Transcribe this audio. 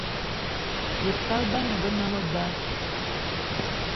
Be kaal bama be ne meba